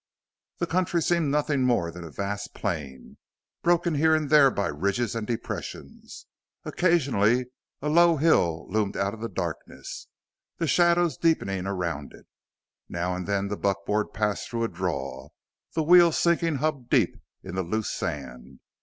The country seemed nothing more than a vast plain, broken here and there by ridges and depressions. Occasionally a low hill loomed out of the darkness, the shadows deepening around it; now and then the buckboard passed through a draw, the wheels sinking hub deep in the loose sand.